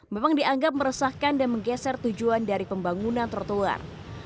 memang dianggap meresahkan dan menggeser tujuan dari pembangunan trotoar